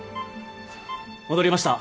戻りました。